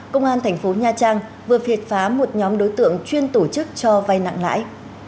công an thành phố nha trang vừa triệt phá một nhóm đối tượng chuyên tổ chức cho vay nặng lãi